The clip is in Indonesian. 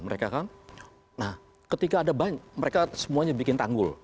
mereka kan nah ketika ada banyak mereka semuanya bikin tanggul